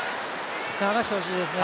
流してほしいですね。